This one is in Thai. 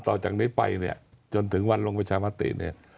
ต่อจากนี้ไปจนถึงวันลงประชาภาษณ์